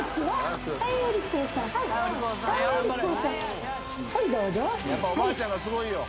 はい。